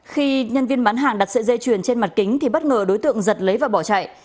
khi nhân viên bán hàng đặt sợi dây chuyền trên mặt kính thì bất ngờ đối tượng giật lấy và bỏ chạy